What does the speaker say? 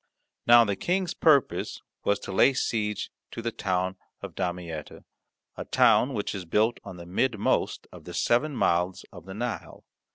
Now the King's purpose was to lay siege to the town of Damietta, a town which is built on the midmost of the seven mouths of the Nile.